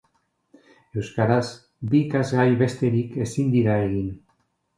Euskaraz bi ikasgai besterik ezin dira egin.